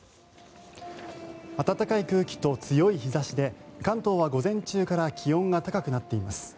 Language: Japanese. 暖かい空気と強い日差しで関東は午前中から気温が高くなっています。